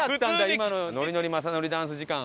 今ののりのりまさのりダンス時間は。